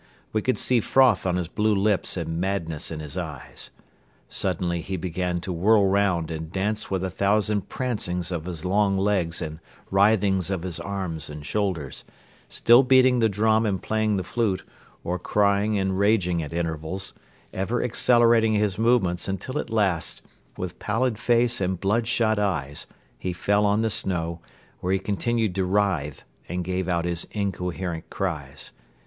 We could see froth on his blue lips and madness in his eyes. Suddenly he began to whirl round and dance with a thousand prancings of his long legs and writhings of his arms and shoulders, still beating the drum and playing the flute or crying and raging at intervals, ever accelerating his movements until at last with pallid face and bloodshot eyes he fell on the snow, where he continued to writhe and give out his incoherent cries.